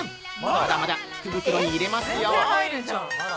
まだまだ福袋に入れますよ。